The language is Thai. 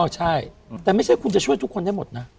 ใช่แต่ไม่ใช่คุณจะช่วยทุกคนได้หมดนะ